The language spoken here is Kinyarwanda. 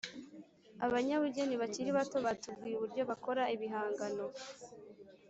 abanyabugeni bakiri bato batubwiye uburyo bakora ibihangano